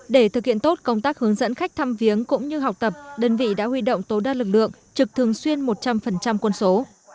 để thực hiện tốt công tác hướng dẫn khách thăm viếng cũng như học tập đơn vị đã huy động tố đa lực lượng trực thường xuyên một trăm linh quân số